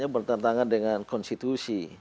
bertentangan dengan konstitusi